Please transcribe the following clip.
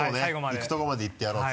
行くところまで行ってやろうと。